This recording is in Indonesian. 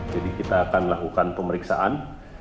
jadi kita akan melakukan pemeriksaan